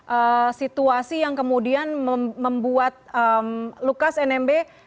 baik artinya ada eskalasi situasi yang kemudian membuat lukas nmb